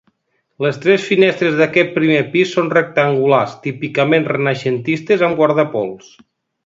Les tres finestres d’aquest primer pis són rectangulars típicament renaixentistes amb guardapols.